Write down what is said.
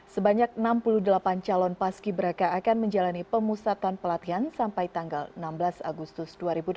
sebanyak enam puluh delapan calon paski beraka akan menjalani pemusatan pelatihan sampai tanggal enam belas agustus dua ribu delapan belas